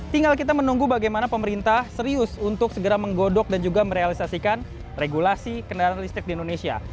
tinggal kita menunggu bagaimana pemerintah serius untuk segera menggodok dan juga merealisasikan regulasi kendaraan listrik di indonesia